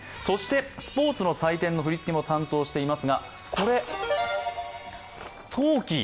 スポーツの祭典の振り付けについても書かれています。